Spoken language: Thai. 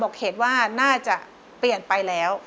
เขตว่าน่าจะเปลี่ยนไปแล้ว